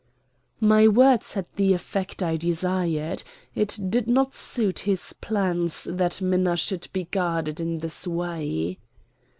My words had the effect I desired. It did not suit his plans that Minna should be guarded in this way.